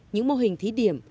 những mô hình thí điểm